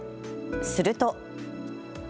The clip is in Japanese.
すると。